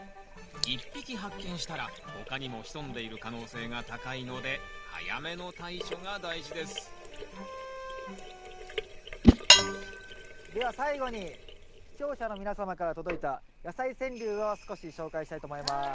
１匹発見したら他にも潜んでいる可能性が高いので早めの対処が大事ですでは最後に視聴者の皆様から届いた「やさい川柳」を少し紹介したいと思います。